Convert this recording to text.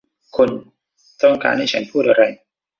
คุณต้องการให้ฉันพูดอะไร ?